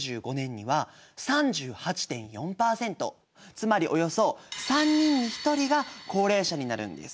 つまりおよそ３人に１人が高齢者になるんです。